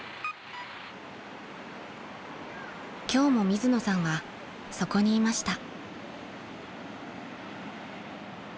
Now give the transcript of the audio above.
［今日も水野さんはそこにいました］